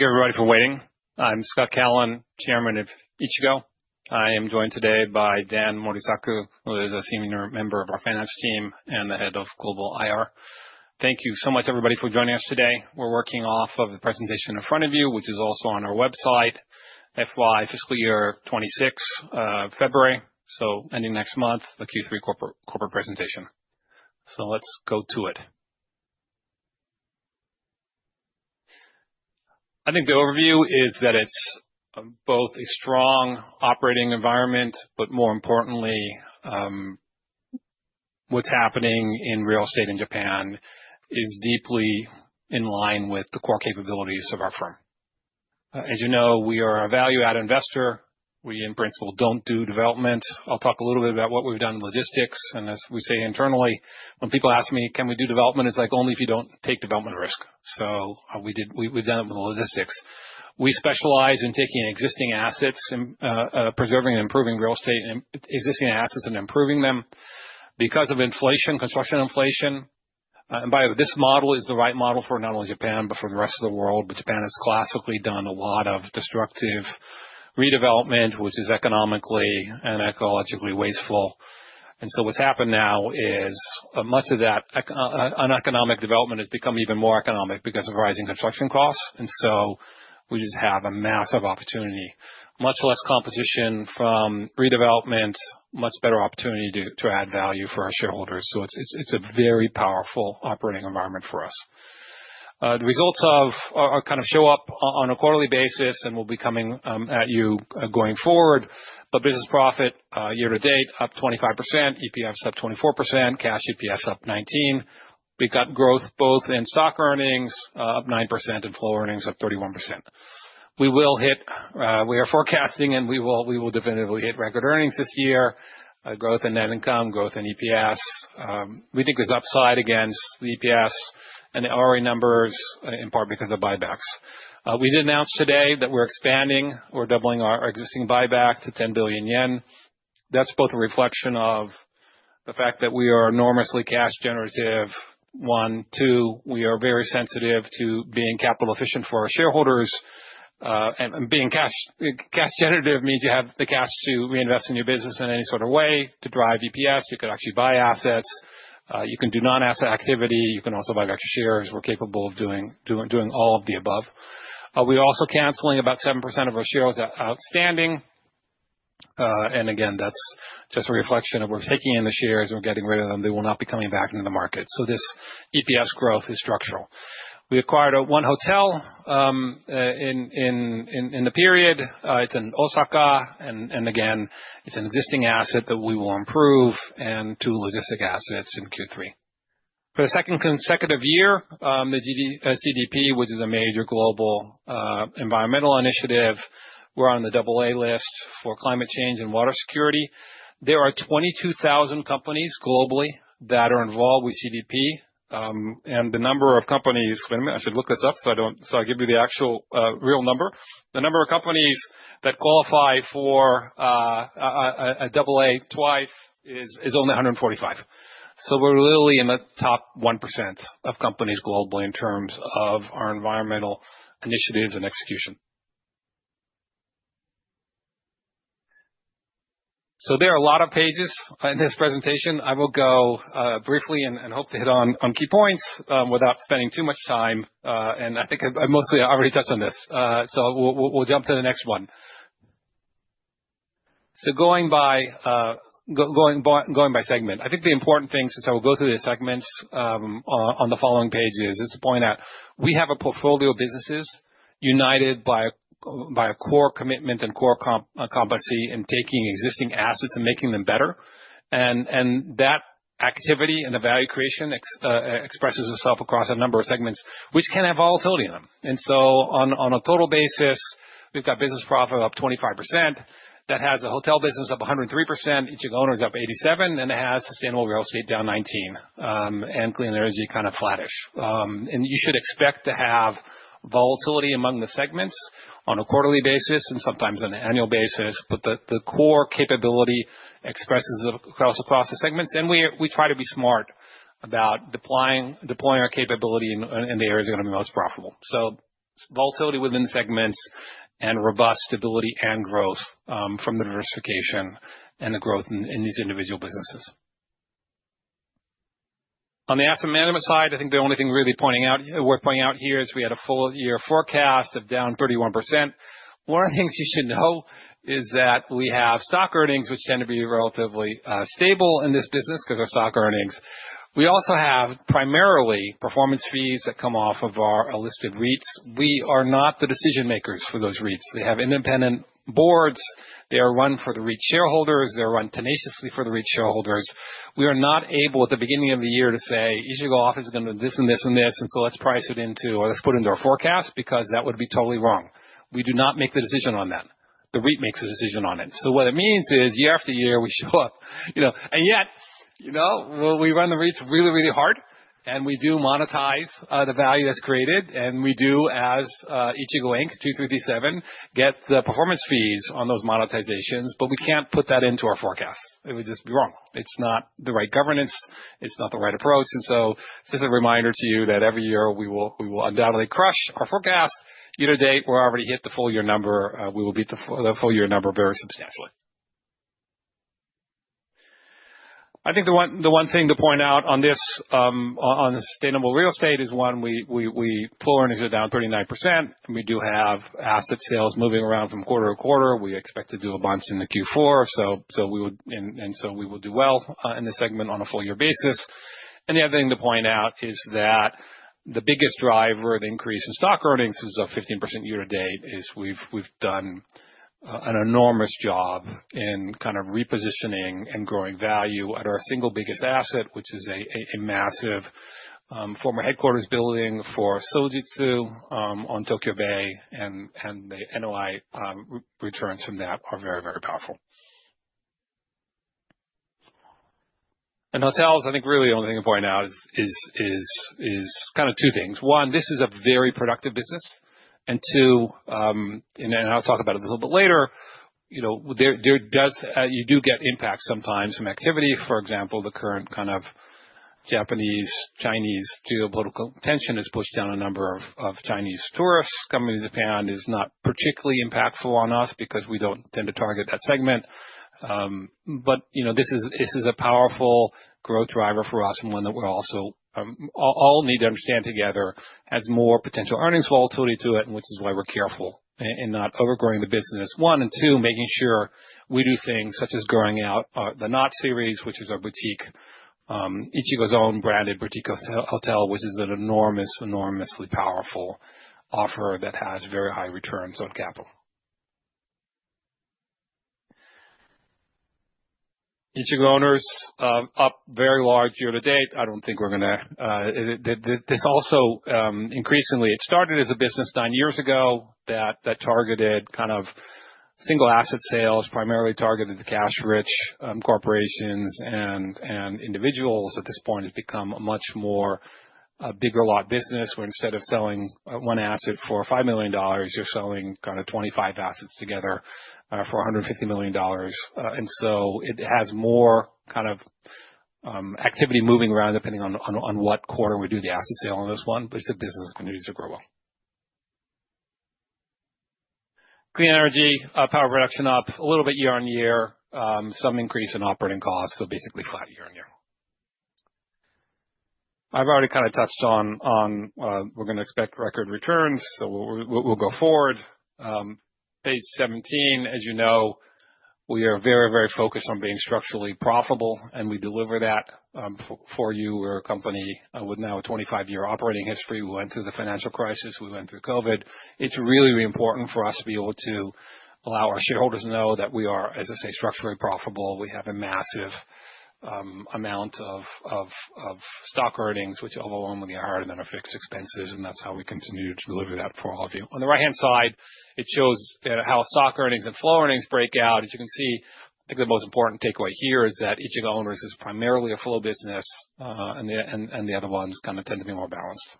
Thank you, everybody, for waiting. I'm Scott Callon, Chairman of Ichigo. I am joined today by Dan Morisaku, who is a senior member of our finance team and the Head of Global IR. Thank you so much, everybody, for joining us today. We're working off of the presentation in front of you, which is also on our website, FY Fiscal Year 2026, February, so ending next month, the Q3 corporate presentation. So let's go to it. I think the overview is that it's both a strong operating environment, but more importantly, what's happening in real estate in Japan is deeply in line with the core capabilities of our firm. As you know, we are a value-added investor. We, in principle, don't do development. I'll talk a little bit about what we've done in logistics, and as we say internally, when people ask me, "Can we do development?" It's like, only if you don't take development risk. So, we've done it with the logistics. We specialize in taking existing assets and, preserving and improving real estate and existing assets and improving them. Because of inflation, construction inflation, and by the way, this model is the right model for not only Japan, but for the rest of the world. But Japan has classically done a lot of destructive redevelopment, which is economically and ecologically wasteful. And so what's happened now is much of that uneconomic development has become even more economic because of rising construction costs, and so we just have a massive opportunity. Much less competition from redevelopment, much better opportunity to add value for our shareholders. So it's a very powerful operating environment for us. The results are kind of showing up on a quarterly basis and will be coming at you going forward. But business profit year to date, up 25%, EPS up 24%, cash EPS up 19%. We've got growth both in stock earnings, up 9% and flow earnings up 31%. We are forecasting, and we will definitively hit record earnings this year, growth and net income, growth in EPS. We think there's upside against the EPS and the ROE numbers, in part because of buybacks. We did announce today that we're expanding or doubling our existing buyback to 10 billion yen. That's both a reflection of the fact that we are enormously cash generative, one. Two, we are very sensitive to being capital efficient for our shareholders. And being cash generative means you have the cash to reinvest in your business in any sort of way. To drive EPS, you could actually buy assets, you can do non-asset activity, you can also buy back your shares. We're capable of doing all of the above. We're also canceling about 7% of our shares outstanding. And again, that's just a reflection of we're taking in the shares, we're getting rid of them. They will not be coming back into the market. So this EPS growth is structural. We acquired one hotel in the period. It's in Osaka, and again, it's an existing asset that we will improve, and two logistic assets in Q3. For the second consecutive year, the CDP, which is a major global environmental initiative, we're on the double A list for climate change and water security. There are 22,000 companies globally that are involved with CDP, and the number of companies, wait a minute, I should look this up, so I don't, so I'll give you the actual real number. The number of companies that qualify for a double A twice is only 145. So we're literally in the top 1% of companies globally in terms of our environmental initiatives and execution. So there are a lot of pages in this presentation. I will go briefly and hope to hit on key points without spending too much time, and I think I mostly already touched on this. So we'll jump to the next one. So going by segment. I think the important thing, since I will go through the segments on the following pages, is to point out we have a portfolio of businesses united by a core commitment and core competency in taking existing assets and making them better. And that activity and the value creation expresses itself across a number of segments, which can have volatility in them. And so on a total basis, we've got Business Profit up 25%. That has a hotel business up 103%, Ichigo Owners up 87%, and it has sustainable real estate down 19%. And clean energy, kind of flattish. And you should expect to have volatility among the segments on a quarterly basis and sometimes on an annual basis, but the core capability expresses across the segments. And we try to be smart about deploying our capability in the areas that are most profitable. So volatility within segments and robust stability and growth from the diversification and the growth in these individual businesses. On the asset management side, I think the only thing worth pointing out here is we had a full year forecast of down 31%. One of the things you should know is that we have stock earnings, which tend to be relatively stable in this business because they're stock earnings. We also have primarily performance fees that come off of our listed REITs. We are not the decision makers for those REITs. They have independent boards. They are run for the REIT shareholders. They're run tenaciously for the REIT shareholders. We are not able, at the beginning of the year, to say: Ichigo Office is gonna do this and this and this, and so let's price it into or let's put into our forecast, because that would be totally wrong. We do not make the decision on that. The REIT makes a decision on it. So what it means is, year after year, we show up, you know, and yet, you know, well, we run the REITs really, really hard, and we do monetize the value that's created, and we do, as Ichigo Inc. 2337, get the performance fees on those monetizations, but we can't put that into our forecast. It would just be wrong. It's not the right governance, it's not the right approach, and so this is a reminder to you that every year we will, we will undoubtedly crush our forecast. Year to date, we're already hit the full year number. We will beat the full year number very substantially.... I think the one thing to point out on this on sustainable real estate is, one, we Flow earnings are down 39%, and we do have asset sales moving around from quarter to quarter. We expect to do a bounce in the Q4, so we would—and so we will do well in this segment on a full year basis. And the other thing to point out is that the biggest driver of increase in stock earnings is up 15% year to date, is we've done an enormous job in kind of repositioning and growing value at our single biggest asset, which is a massive former headquarters building for Sojitz on Tokyo Bay, and the NOI returns from that are very, very powerful. In hotels, I think really the only thing to point out is kind of two things. One, this is a very productive business, and two, and then I'll talk about it a little bit later, you know, there does you do get impact sometimes from activity. For example, the current kind of Japanese, Chinese geopolitical tension has pushed down a number of Chinese tourists coming to Japan. It is not particularly impactful on us, because we don't tend to target that segment. But, you know, this is, this is a powerful growth driver for us, and one that we're also... All, all need to understand together, has more potential earnings volatility to it, and which is why we're careful in not overgrowing the business, one, and two, making sure we do things such as growing out the Knot series, which is our boutique Ichigo's own branded boutique hotel, which is an enormous, enormously powerful offer that has very high returns on capital. Ichigo Owners up very large year to date. I don't think we're gonna. This also, increasingly, it started as a business nine years ago, that targeted kind of single asset sales, primarily targeted the cash-rich corporations and individuals. At this point, it's become a much more, a bigger lot business, where instead of selling one asset for $5 million, you're selling kind of 25 assets together for $150 million. And so it has more kind of activity moving around, depending on what quarter we do the asset sale on this one, but it's a business that continues to grow well. Clean energy power production up a little bit year-on-year. Some increase in operating costs, so basically flat year-on-year. I've already kind of touched on, we're gonna expect record returns, so we'll go forward. Page 17, as you know, we are very, very focused on being structurally profitable, and we deliver that for you. We're a company with now a 25-year operating history. We went through the financial crisis, we went through COVID. It's really, really important for us to be able to allow our shareholders to know that we are, as I say, structurally profitable. We have a massive amount of stock earnings, which overwhelmingly are than are fixed expenses, and that's how we continue to deliver that for all of you. On the right-hand side, it shows how stock earnings and flow earnings break out. As you can see, I think the most important takeaway here is that Ichigo Owners is primarily a flow business, and the other ones kind of tend to be more balanced.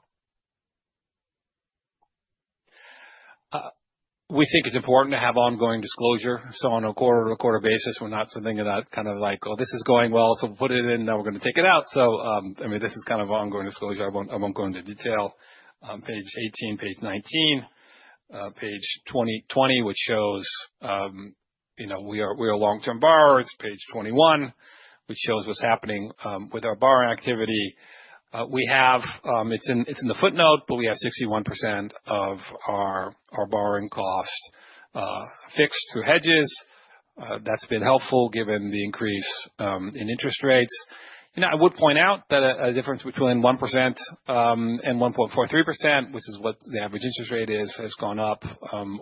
We think it's important to have ongoing disclosure, so on a quarter to quarter basis, we're not something that kind of like, "Oh, this is going well, so we'll put it in, now we're gonna take it out." So, I mean, this is kind of ongoing disclosure. I won't go into detail. On page 18, page 19, page 20... 20, which shows, you know, we are long-term borrowers. Page 21, which shows what's happening with our borrowing activity. We have, it's in the footnote, but we have 61% of our borrowing costs fixed through hedges. That's been helpful, given the increase in interest rates. You know, I would point out that a difference between 1% and 1.43%, which is what the average interest rate is, has gone up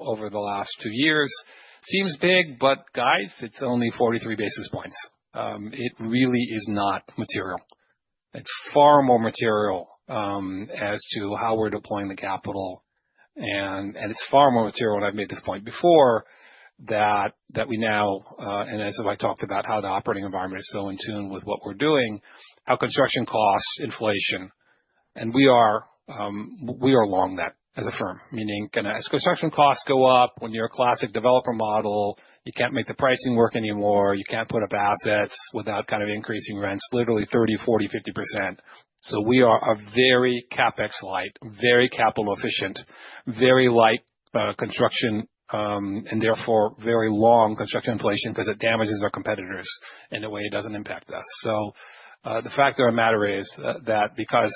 over the last two years. Seems big, but guys, it's only 43 basis points. It really is not material. It's far more material as to how we're deploying the capital, and it's far more material, and I've made this point before, that we now, and as I talked about how the operating environment is so in tune with what we're doing, our construction costs, inflation, and we are along that as a firm. Meaning, gonna as construction costs go up, when you're a classic developer model, you can't make the pricing work anymore. You can't put up assets without kind of increasing rents, literally 30%, 40%, 50%. So we are a very CapEx light, very capital efficient, very light construction, and therefore very long construction inflation, 'cause it damages our competitors, in a way it doesn't impact us. So, the fact of the matter is, that because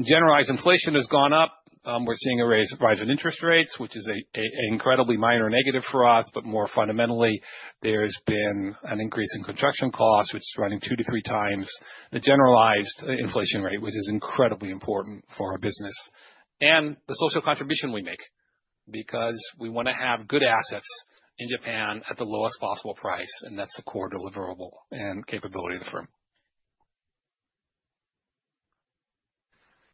generalized inflation has gone up, we're seeing a rise in interest rates, which is an incredibly minor negative for us, but more fundamentally, there's been an increase in construction costs, which is running 2x-3x the generalized inflation rate, which is incredibly important for our business and the social contribution we make. Because we wanna have good assets in Japan at the lowest possible price, and that's the core deliverable and capability of the firm.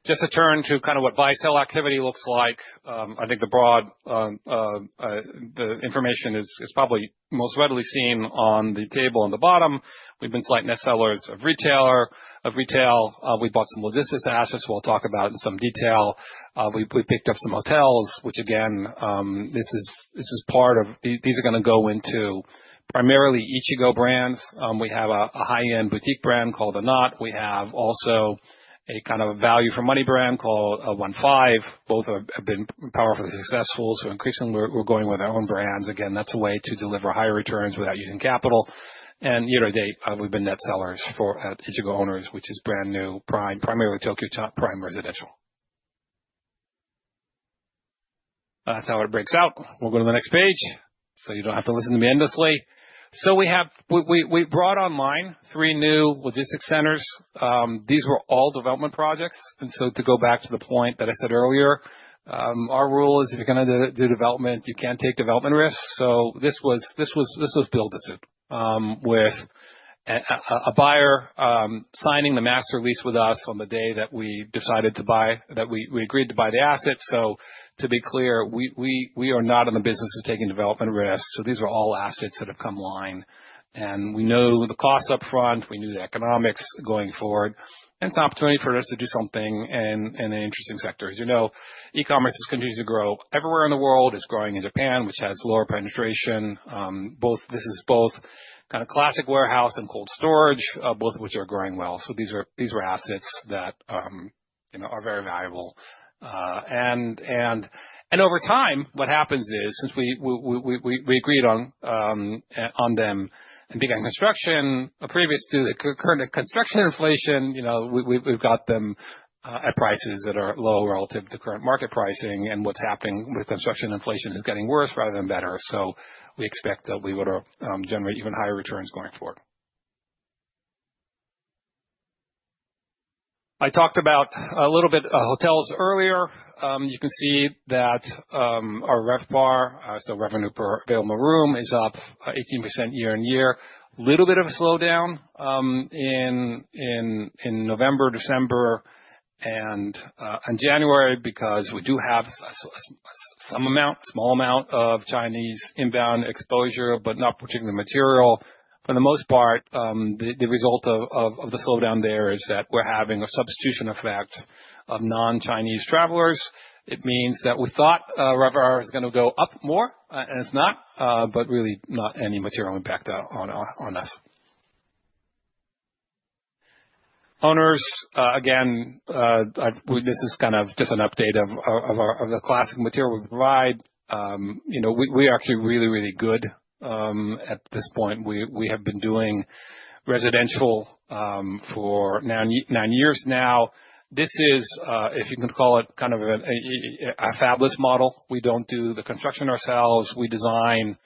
Just to turn to kind of what buy/sell activity looks like, I think the broad information is probably most readily seen on the table on the bottom. We've been slight net sellers of retail. We bought some logistics assets we'll talk about in some detail. We picked up some hotels, which again, this is part of. These are gonna go into primarily Ichigo brands. We have a high-end boutique brand called The Knot. We have also a kind of a value for money brand called One Five. Both have been powerfully successful, so increasingly we're going with our own brands. Again, that's a way to deliver higher returns without using capital, and year to date, we've been net sellers for Ichigo Owners, which is brand new, prime, primarily Tokyo top prime residential. That's how it breaks out. We'll go to the next page, so you don't have to listen to me endlessly. So we have we brought online three new logistic centers. These were all development projects, and so to go back to the point that I said earlier, our rule is, if you're gonna do development, you can't take development risks. So this was build-to-suit. With a buyer signing the master lease with us on the day that we decided to buy, that we agreed to buy the assets. So to be clear, we are not in the business of taking development risks. So these are all assets that have come online, and we know the costs upfront, we know the economics going forward, and it's an opportunity for us to do something in an interesting sector. As you know, e-commerce continues to grow everywhere in the world. It's growing in Japan, which has lower penetration. Both, this is both kind of classic warehouse and cold storage, both of which are growing well. So these are, these are assets that, you know, are very valuable. And over time, what happens is, since we agreed on them and began construction, previous to the current construction inflation, you know, we've got them at prices that are low relative to current market pricing. And what's happening with construction inflation is getting worse rather than better, so we expect that we would generate even higher returns going forward. I talked about a little bit hotels earlier. You can see that, our RevPAR, so revenue per available room, is up 18% year-on-year. Little bit of a slowdown in November, December, and in January, because we do have some amount, small amount of Chinese inbound exposure, but not particularly material. For the most part, the result of the slowdown there is that we're having a substitution effect of non-Chinese travelers. It means that we thought RevPAR is gonna go up more, and it's not, but really not any material impact on us. Owners, again, this is kind of just an update of our classic material we provide. You know, we are actually really, really good at this point. We have been doing residential for nine years now. This is, if you can call it, kind of a fabless model. We don't do the construction ourselves. We design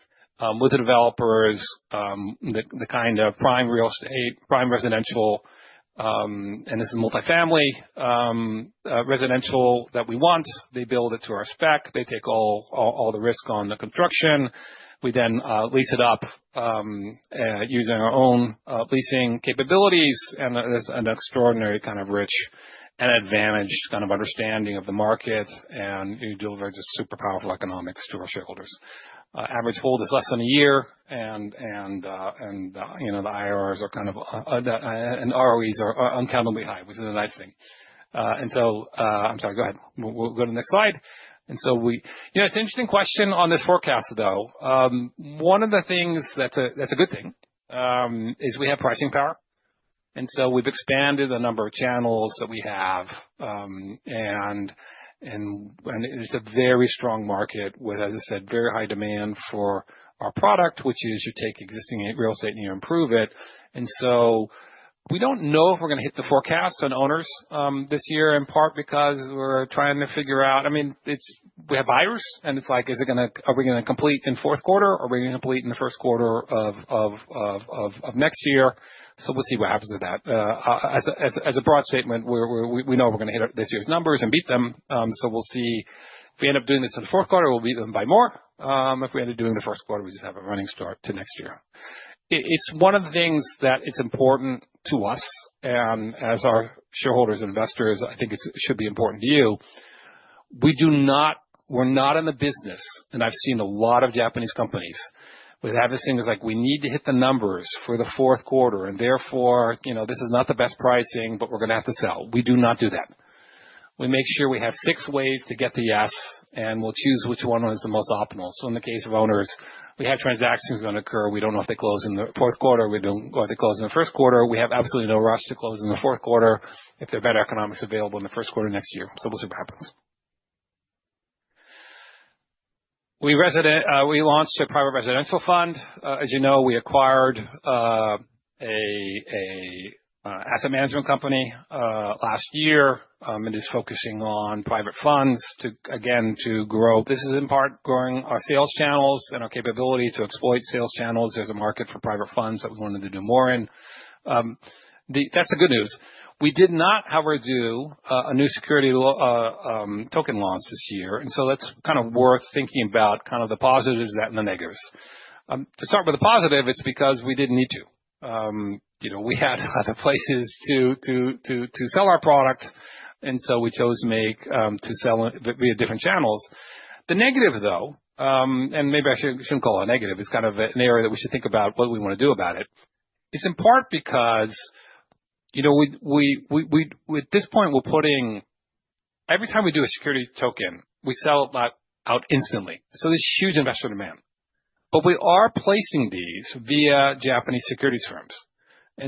with the developers the kind of prime real estate, prime residential, and this is multifamily residential that we want. They build it to our spec. They take all the risk on the construction. We then lease it up using our own leasing capabilities, and there's an extraordinary kind of rich and advantaged kind of understanding of the market, and it delivers a super powerful economics to our shareholders. Average hold is less than a year, and you know, the IRRs are kind of the... and ROEs are unaccountably high, which is a nice thing. And so... I'm sorry, go ahead. We'll go to the next slide. You know, it's an interesting question on this forecast, though. One of the things that's a good thing is we have pricing power, and so we've expanded the number of channels that we have. And it's a very strong market with, as I said, very high demand for our product, which is you take existing real estate and you improve it. And so we don't know if we're gonna hit the forecast on owners this year, in part because we're trying to figure out... I mean, it's we have buyers, and it's like, is it gonna are we gonna complete in fourth quarter, or are we gonna complete in the first quarter of next year? So we'll see what happens with that. As a broad statement, we know we're gonna hit this year's numbers and beat them. So we'll see if we end up doing this in the fourth quarter, we'll beat them by more. If we end up doing the first quarter, we just have a running start to next year. It's one of the things that's important to us, and as our shareholders and investors, I think it should be important to you. We do not. We're not in the business, and I've seen a lot of Japanese companies with things like, "We need to hit the numbers for the fourth quarter, and therefore, you know, this is not the best pricing, but we're gonna have to sell." We do not do that. We make sure we have six ways to get the yes, and we'll choose which one is the most optimal. So in the case of owners, we have transactions going to occur. We don't know if they close in the fourth quarter, we don't know if they close in the first quarter. We have absolutely no rush to close in the fourth quarter if there are better economics available in the first quarter of next year, so we'll see what happens. We recently launched a private residential fund. As you know, we acquired an asset management company last year, and is focusing on private funds to, again, to grow. This is in part growing our sales channels and our capability to exploit sales channels. There's a market for private funds that we wanted to do more in. That's the good news. We did not, however, do a new security token launch this year, and so that's kind of worth thinking about, kind of the positives and the negatives. To start with the positive, it's because we didn't need to. You know, we had other places to sell our product, and so we chose to sell via different channels. The negative, though, and maybe I shouldn't call it a negative, it's kind of an area that we should think about what we want to do about it. It's in part because, you know, at this point, we're putting. Every time we do a security token, we sell it back out instantly, so there's huge investor demand. But we are placing these via Japanese securities firms.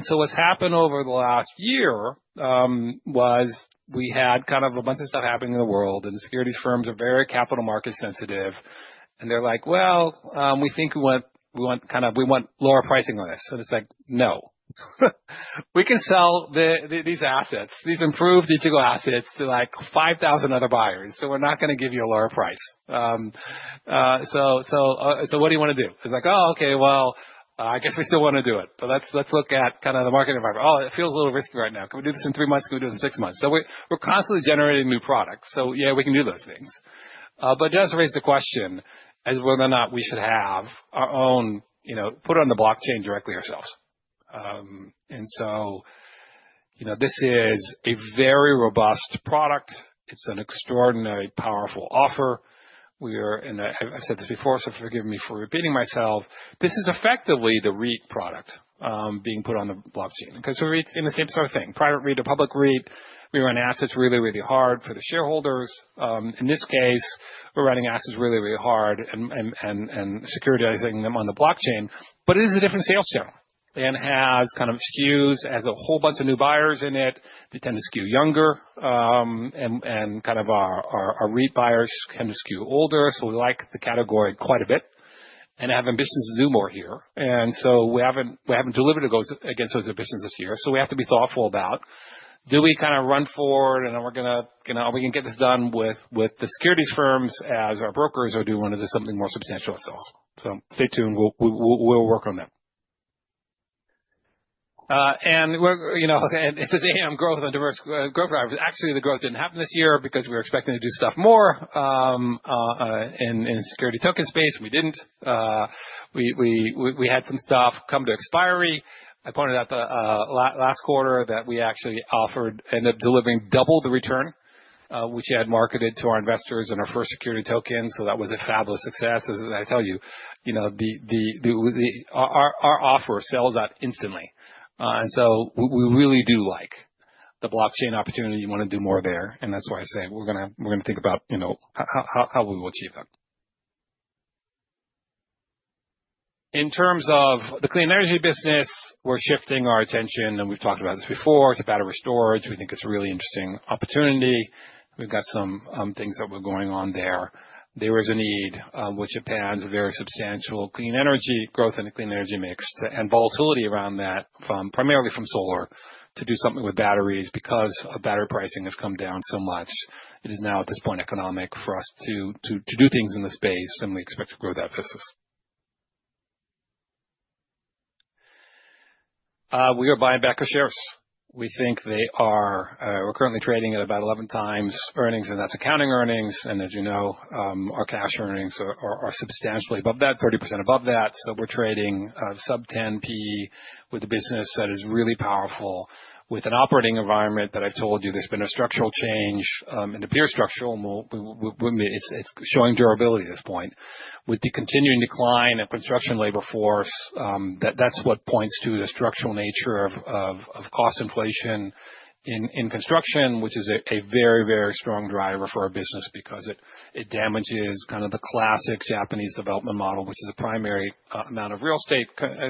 So what's happened over the last year was we had kind of a bunch of stuff happening in the world, and the securities firms are very capital market sensitive. And they're like, "Well, we think we want, we want, kind of, we want lower pricing on this." So it's like, "No." We can sell these assets, these improved digital assets to, like, 5,000 other buyers, so we're not gonna give you a lower price. So what do you wanna do? It's like, "Oh, okay, well, I guess we still wanna do it, but let's look at kind of the market environment. Oh, it feels a little risky right now. Can we do this in three months? Can we do this in six months?" So we're constantly generating new products, so yeah, we can do those things. But it does raise the question as to whether or not we should have our own, you know, put it on the blockchain directly ourselves. And so, you know, this is a very robust product. It's an extraordinarily powerful offer. I've said this before, so forgive me for repeating myself, this is effectively the REIT product being put on the blockchain. 'Cause REITs in the same sort of thing, private REIT to public REIT, we run assets really, really hard for the shareholders. In this case, we're running assets really, really hard and securitizing them on the blockchain, but it is a different sales channel and has kind of skews, has a whole bunch of new buyers in it. They tend to skew younger, and kind of our REIT buyers tend to skew older, so we like the category quite a bit and have ambitions to do more here. So we haven't delivered those against those ambitions this year, so we have to be thoughtful about, do we kind of run forward and then we're gonna, you know, are we gonna get this done with the securities firms as our brokers, or do we wanna do something more substantial ourselves? So stay tuned. We'll work on that. And we're, you know, and it says AM growth and diverse growth drivers. Actually, the growth didn't happen this year because we were expecting to do stuff more in security token space. We didn't. We had some stuff come to expiry. I pointed out the last quarter that we actually offered ended up delivering double the return, which we had marketed to our investors in our first security token, so that was a fabulous success. As I tell you, you know, our offer sells out instantly. And so we really do like the blockchain opportunity. We wanna do more there, and that's why I say we're gonna think about, you know, how we will achieve that. In terms of the clean energy business, we're shifting our attention, and we've talked about this before, to battery storage. We think it's a really interesting opportunity. We've got some things that were going on there. There is a need, with Japan's very substantial clean energy growth in the clean energy mix, and volatility around that, from primarily solar, to do something with batteries, because battery pricing has come down so much. It is now, at this point, economic for us to do things in this space, and we expect to grow that business. We are buying back our shares. We think they are, we're currently trading at about 11x earnings, and that's accounting earnings. And as you know, our cash earnings are substantially above that, 30% above that. So we're trading, sub-10 PE with a business that is really powerful, with an operating environment that I've told you, there's been a structural change, and a structural, and we'll, I mean, it's showing durability at this point. With the continuing decline in construction labor force, that, that's what points to the structural nature of cost inflation in construction, which is a very, very strong driver for our business because it damages kind of the classic Japanese development model, which is a primary amount of real estate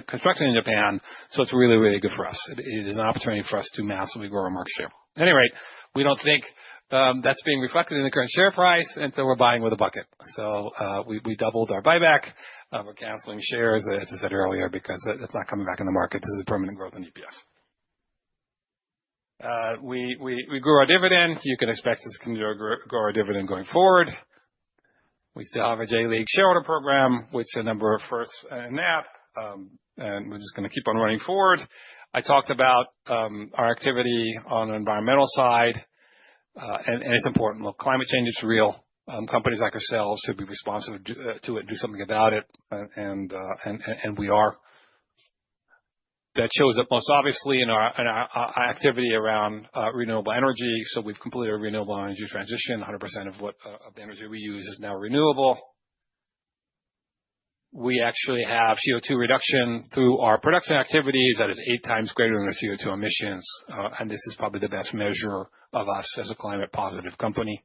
construction in Japan, so it's really, really good for us. It is an opportunity for us to massively grow our market share. Any rate, we don't think that's being reflected in the current share price, and so we're buying with a bucket. So, we doubled our buyback. We're canceling shares, as I said earlier, because it's not coming back in the market. This is a permanent growth in EPS. We grew our dividend. You can expect us to grow our dividend going forward. We still have a J.League shareholder program, which a number of firsts in that, and we're just gonna keep on running forward. I talked about our activity on the environmental side, and it's important. Look, climate change is real. Companies like ourselves should be responsive to it, do something about it, and we are. That shows up most obviously in our activity around renewable energy. So we've completed our renewable energy transition. 100% of what of the energy we use is now renewable. We actually have CO2 reduction through our production activities that is eight times greater than our CO2 emissions, and this is probably the best measure of us as a climate positive company.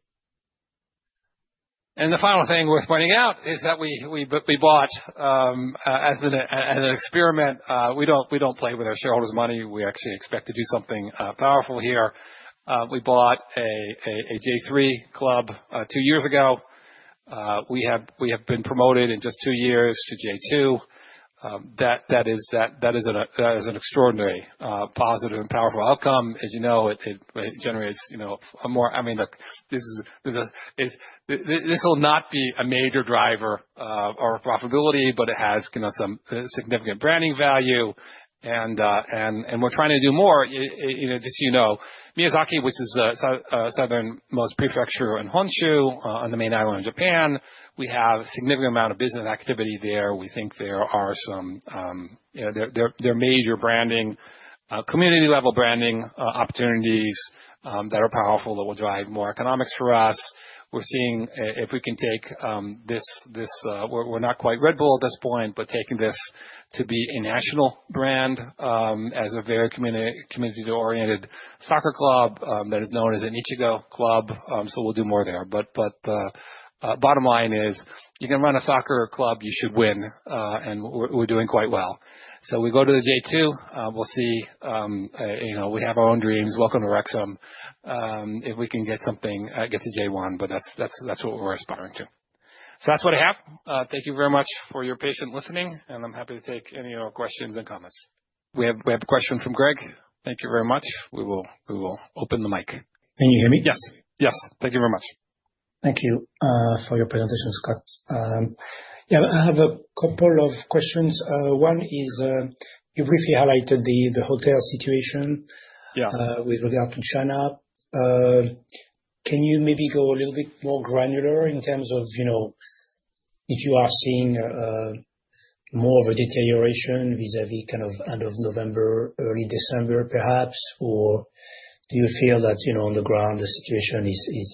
And the final thing worth pointing out is that we bought, as an experiment, we don't play with our shareholders' money. We actually expect to do something powerful here. We bought a J3 club two years ago. We have been promoted in just two years to J2. That is an extraordinary positive and powerful outcome. As you know, it generates, you know, a more... I mean, like, this is, this will not be a major driver or profitability, but it has, you know, some significant branding value and we're trying to do more. You know, just so you know, Miyazaki, which is south, a southernmost prefecture in Honshu, on the main island of Japan, we have a significant amount of business activity there. We think there are some, you know, there, there, there are major branding, community-level branding, opportunities that are powerful, that will drive more economics for us. We're seeing if we can take this, this, we're, we're not quite Red Bull at this point, but taking this to be a national brand, as a very community-oriented soccer club, that is known as an Ichigo club. So we'll do more there. But bottom line is, if you're gonna run a soccer club, you should win, and we're, we're doing quite well. So we go to the J2, we'll see, you know, we have our own dreams. Welcome to Wrexham. If we can get something, get to J1, but that's, that's, that's what we're aspiring to. So that's what I have. Thank you very much for your patient listening, and I'm happy to take any of your questions and comments. We have a question from Greg. Thank you very much. We will open the mic. Can you hear me? Yes. Yes. Thank you very much. Thank you for your presentation, Scott. Yeah, I have a couple of questions. One is, you briefly highlighted the, the hotel situation- Yeah. With regard to China. Can you maybe go a little bit more granular in terms of, you know, if you are seeing more of a deterioration vis-à-vis kind of end of November, early December, perhaps? Or do you feel that, you know, on the ground, the situation is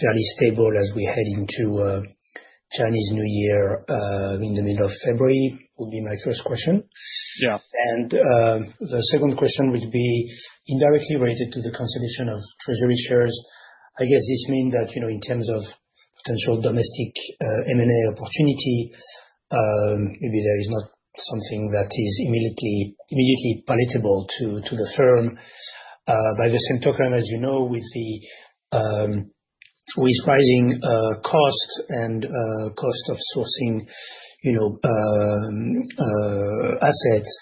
fairly stable as we head into Chinese New Year in the middle of February? Would be my first question. Yeah. The second question would be indirectly related to the consolidation of treasury shares. I guess this means that, you know, in terms of potential domestic M&A opportunity, maybe there is not something that is immediately palatable to the firm. By the same token, as you know, with rising costs and cost of sourcing, you know, assets,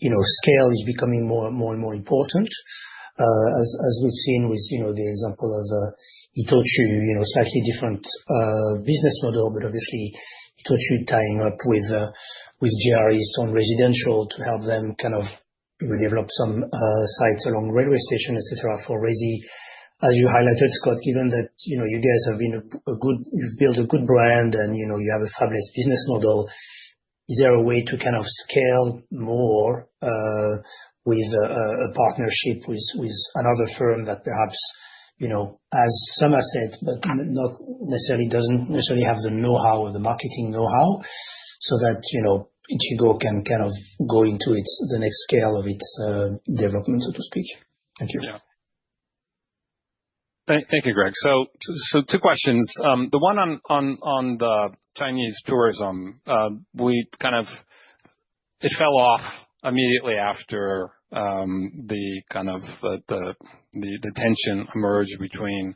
you know, scale is becoming more and more important. As we've seen with, you know, the example of Itochu, you know, slightly different business model, but obviously Itochu tying up with JRE on residential to help them kind of redevelop some sites along railway station, et cetera, for resi. As you highlighted, Scott, given that, you know, you guys have built a good brand and, you know, you have a fabulous business model, is there a way to kind of scale more with a partnership with another firm that perhaps, you know, has some assets, but not necessarily doesn't necessarily have the know-how or the marketing know-how, so that, you know, Ichigo can kind of go into the next scale of its development, so to speak? Thank you. Yeah. Thank you, Greg. So two questions. The one on the Chinese tourism. It kind of fell off immediately after the kind of tension emerged between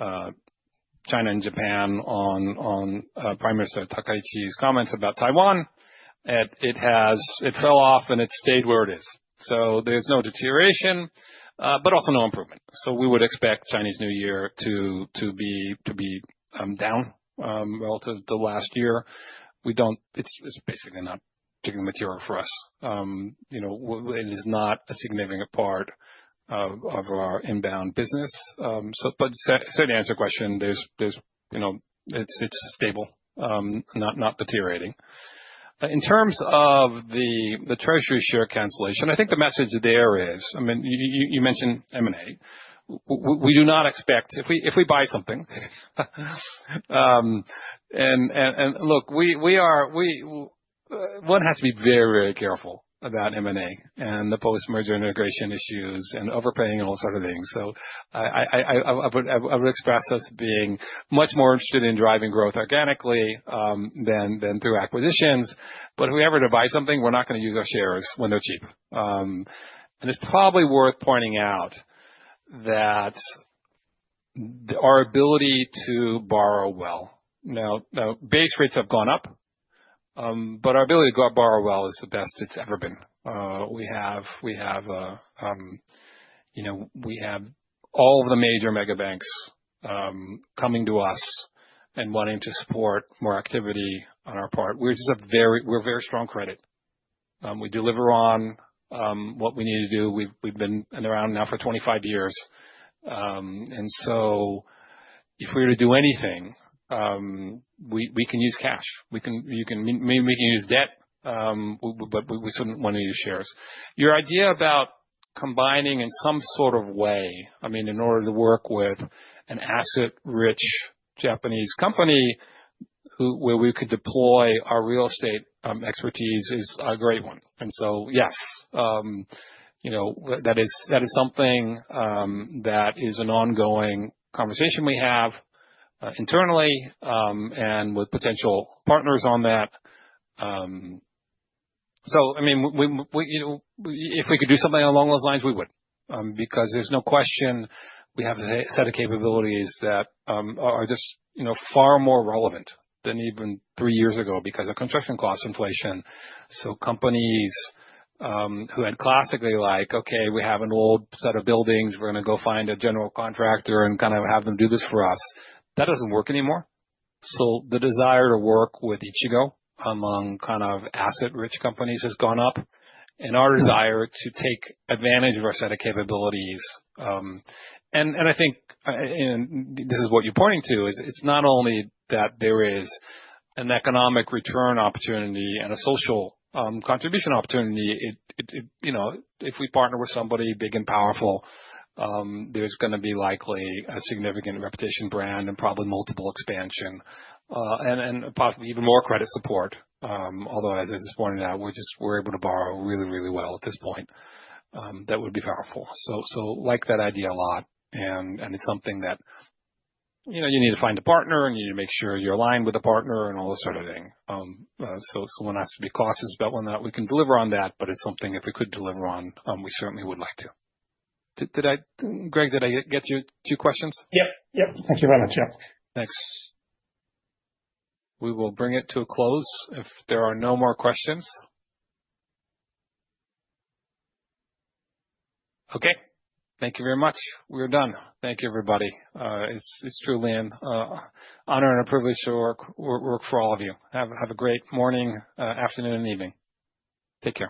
China and Japan on Prime Minister Takaichi's comments about Taiwan. And it has. It fell off, and it's stayed where it is. So there's no deterioration, but also no improvement. So we would expect Chinese New Year to be down relative to last year. We don't. It's basically not material for us. You know, it is not a significant part of our inbound business. So, to answer your question, there's, you know, it's stable, not deteriorating. In terms of the treasury share cancellation, I think the message there is, I mean, you mentioned M&A. We do not expect... If we buy something, and look, we are, one has to be very careful about M&A and the post-merger integration issues and overpaying, all sort of things. So I would express us being much more interested in driving growth organically, than through acquisitions, but if we ever were to buy something, we're not gonna use our shares when they're cheap. And it's probably worth pointing out that our ability to borrow well. Now, base rates have gone up, but our ability to go borrow well is the best it's ever been. You know, we have all the major mega banks coming to us and wanting to support more activity on our part. We're just a very strong credit. We deliver on what we need to do. We've been around now for 25 years. And so if we were to do anything, we can use cash. We can maybe use debt, but we shouldn't want to use shares. Your idea about combining in some sort of way, I mean, in order to work with an asset-rich Japanese company where we could deploy our real estate expertise, is a great one. And so, yes, you know, that is, that is something, that is an ongoing conversation we have, internally, and with potential partners on that. So I mean, we, you know, if we could do something along those lines, we would. Because there's no question we have a set of capabilities that, are just, you know, far more relevant than even three years ago, because of construction cost inflation. So companies, who had classically like, "Okay, we have an old set of buildings. We're gonna go find a general contractor and kind of have them do this for us," that doesn't work anymore. So the desire to work with Ichigo, among kind of asset-rich companies, has gone up, and our desire to take advantage of our set of capabilities,... I think this is what you're pointing to. It's not only that there is an economic return opportunity and a social contribution opportunity, you know, if we partner with somebody big and powerful, there's gonna be likely a significant repetition brand and probably multiple expansion, and possibly even more credit support. Although, as I just pointed out, we're just able to borrow really, really well at this point. That would be powerful. I like that idea a lot, and it's something that, you know, you need to find a partner, and you need to make sure you're aligned with the partner and all that sort of thing. Someone has to be cautious about whether or not we can deliver on that, but it's something if we could deliver on, we certainly would like to. Did I... Greg, did I get your two questions? Yep, yep. Thank you very much. Yeah. Thanks. We will bring it to a close if there are no more questions. Okay, thank you very much. We're done. Thank you, everybody. It's truly an honor and a privilege to work for all of you. Have a great morning, afternoon, and evening. Take care.